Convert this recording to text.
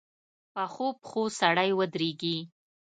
پخو پښو سړی ودرېږي